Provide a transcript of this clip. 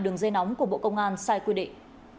đường dây nóng của bộ công an sai quy định